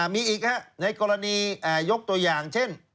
มีอีกในกรณียกตัวอย่างเช่น